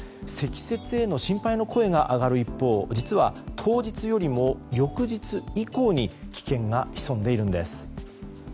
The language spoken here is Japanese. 積雪への心配の声が上がる一方実は当日よりも翌日以降に危険が潜んでいるんです。